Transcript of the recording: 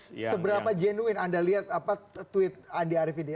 seberapa jenuin anda lihat tweet andi arief ini